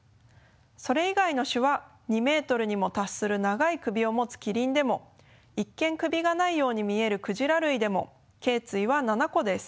それ以外の種は２ｍにも達する長い首を持つキリンでも一見首がないように見えるクジラ類でもけい椎は７個です。